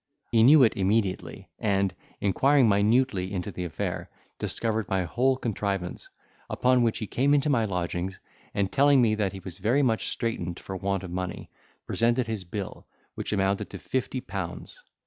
He knew it immediately, and, inquiring minutely into the affair, discovered my whole contrivance: upon which he came into my lodgings, and telling me that he was very much straightened for want of money, presented his bill, which amounted to fifty pounds.